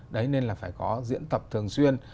đấy nên là phải có diễn tập thường xuyên